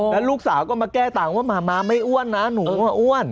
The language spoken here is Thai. แล้วลูกสาวก็มาแก้ต่างว่าหมาม้าไม่อ้วนนะหนูว่าอ้วน